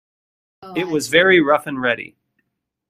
It was very rough and ready.